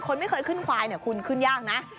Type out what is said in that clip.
ไม่เคยขึ้นควายเนี่ยคุณขึ้นยากนะ